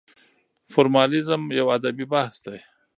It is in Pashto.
فورمالېزم يو ادبي بحث دی.